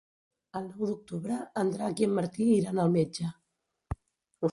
El nou d'octubre en Drac i en Martí iran al metge.